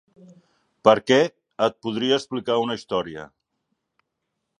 Per què, et podria explicar una història.